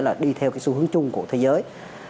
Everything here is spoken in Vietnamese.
là đi theo xu hướng chung của thế giới